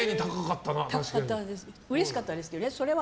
うれしかったですけどね。